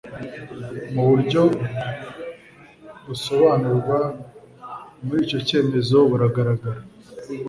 mu buryo busobanurwa muri icyo cyemezo buragaragara